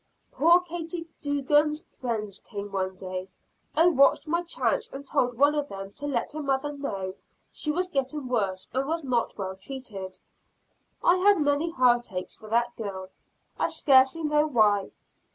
Poor Katy Dugan's friends came one day. I watched my chance and told one of them to let her mother know she was getting worse and was not well treated. I had many heart aches for that girl; I scarcely know why.